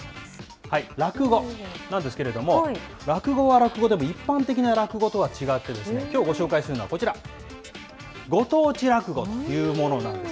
落語なんですけれども、落語は落語でも、一般的な落語とは違って、きょうご紹介するのはこちら、ご当地落語というものなんです。